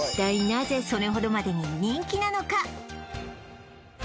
なぜそれほどまでに人気なのか？